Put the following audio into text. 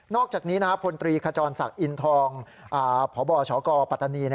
อกจากนี้พลตรีขจรศักดิ์อินทองพบชกปัตตานี